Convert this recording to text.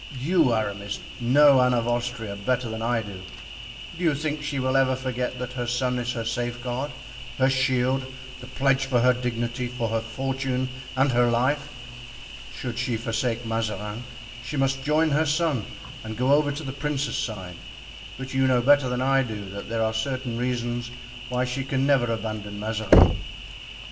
"You, Aramis, know Anne of Austria better than I do. Do you think she will ever forget that her son is her safeguard, her shield, the pledge for her dignity, for her fortune and her life? Should she forsake Mazarin she must join her son and go over to the princes' side; but you know better than I do that there are certain reasons why she can never abandon Mazarin."